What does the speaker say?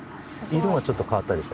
色がちょっと変わったでしょ？